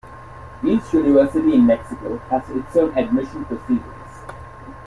Each University in Mexico has its own admission procedures.